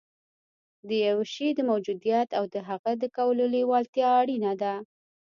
د یوه شي د موجودیت او د هغه د کولو لېوالتیا اړینه ده